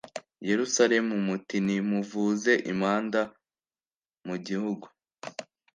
yerusalemu muti nimuvuze impanda mu gihugu